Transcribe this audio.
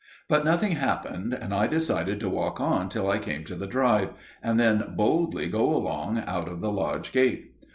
But nothing happened, and I decided to walk on till I came to the drive, and then boldly go along out of the lodge gate.